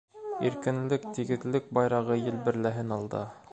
Иркенлек тигеҙлек байрағы елберләһен алда.